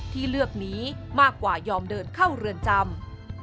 ที่เลือกนี้มากกว่ายอมเดินเข้าเรือนจำ